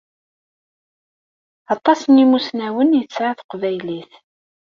Aṭas n imussnawen i tesɛa teqbaylit.